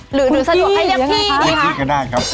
หรือสะดวกให้เรียกพี่ดีครับ